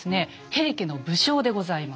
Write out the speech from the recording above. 平家の武将でございます。